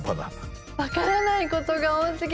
分からないことが多すぎ。